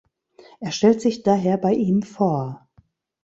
Er stellt sich daher bei ihm vor.